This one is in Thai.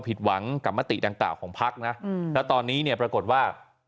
ผิดหวังกับมติดังกล่าวของพักนะแล้วตอนนี้เนี่ยปรากฏว่า